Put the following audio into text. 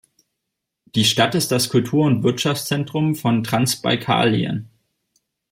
Die Stadt ist das Kultur- und Wirtschaftszentrum von Transbaikalien.